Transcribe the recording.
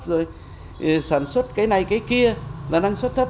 rồi sản xuất cái này cái kia là năng suất thấp